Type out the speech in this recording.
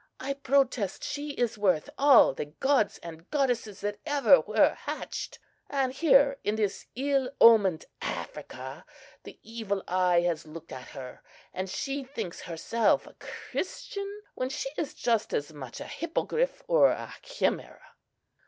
I protest she is worth all the gods and goddesses that ever were hatched! And here, in this ill omened Africa, the evil eye has looked at her, and she thinks herself a Christian, when she is just as much a hippogriff, or a chimæra."